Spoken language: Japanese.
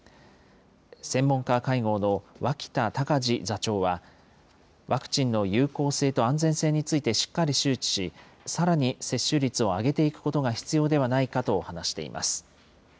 専門家会合の脇田隆字座長は、ワクチンの有効性と安全性についてしっかり周知し、さらに接種率を上げていくことが必要ではないかと話しています。